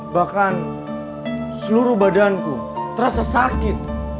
bahkan seluruh badanku terasa sakit